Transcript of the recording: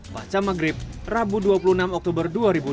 baca maghrib rabu dua puluh enam oktober dua ribu dua puluh